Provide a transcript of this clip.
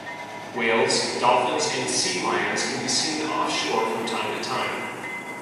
Whales, dolphins and sea lions can be seen offshore from time to time.